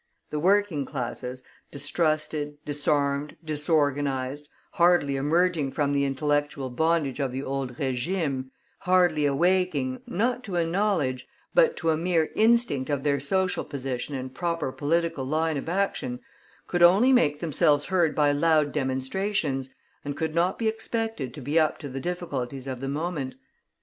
The working classes, distrusted, disarmed, disorganized, hardly emerging from the intellectual bondage of the old régime, hardly awaking, not to a knowledge, but to a mere instinct of their social position and proper political line of action, could only make themselves heard by loud demonstrations, and could not be expected to be up to the difficulties of the moment.